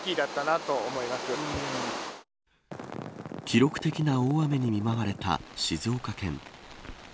記録的な大雨に見舞われた静岡県。